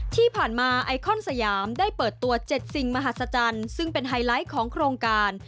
ที่ผ่านมาไอคอนสยามได้เปิดตัว๗สิ่งมหัศจรรย์ซึ่งเป็นไฮไลท์ของโครงการ